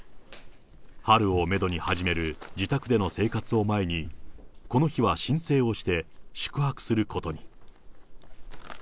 春をメドに始める、自宅での生活を前に、この日は、申請をして、宿泊することに。